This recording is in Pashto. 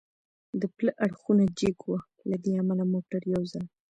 د پله اړخونه جګ و، له دې امله موټر یو ځل.